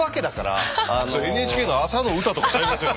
それＮＨＫの朝の歌とかちゃいますよね？